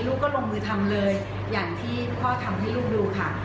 ลูกก็ลงมือทำเลยอย่างที่พ่อทำให้ลูกดูค่ะ